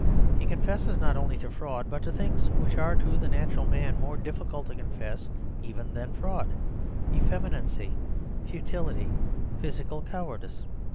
He confesses not only fraud, but things which are to the natural man more difficult to confess even than fraud effeminacy, futility, physical cowardice.